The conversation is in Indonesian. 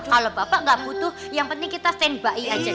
kalau bapak gak butuh yang penting kita standby aja di sini